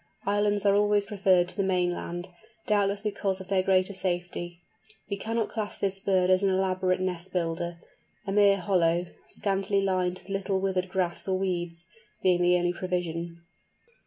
Islands are always preferred to the mainland, doubtless because of their greater safety. We cannot class this bird as an elaborate nest builder, a mere hollow, scantily lined with a little withered grass or weeds, being the only provision.